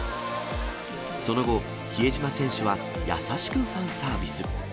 その後、比江島選手は優しくファンサービス。